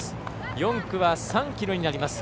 ４区は３ｋｍになります。